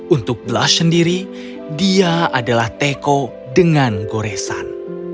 untuk blush sendiri dia adalah teko dengan goresan